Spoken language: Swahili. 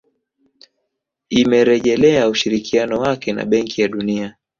Imerejelea ushirikiano wake na Benki ya Dunia